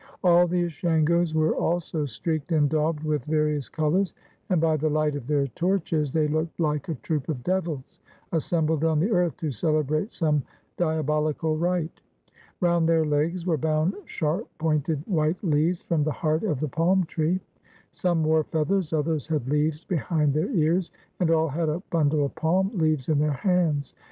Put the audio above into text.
All the Ashangos were also streaked and daubed with various colors, and by the light of their torches they looked like a troop of de\ ils assembled on the earth to celebrate some diabolical rite. Round their legs were bound sharp pointed white leaves from the heart of the palm tree; some wore feathers, others had leaves behind their ears, and all had a bundle of palm leaves in their hands.